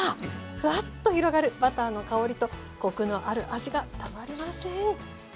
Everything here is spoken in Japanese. フワッと広がるバターの香りとコクのある味がたまりません。